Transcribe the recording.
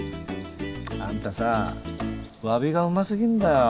あんたさわびがうますぎんだよ。